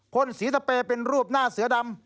่นสีสเปย์เป็นรูปหน้าเสือดำ